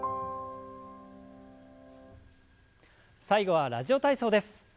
最後は「ラジオ体操」です。